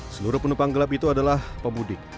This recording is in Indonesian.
seluruh penumpang gelap itu adalah pemudik